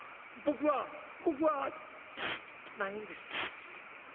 僕は僕はないんです。